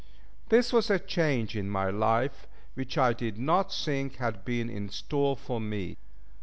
This was a change in my life which I did not think had been in store for me.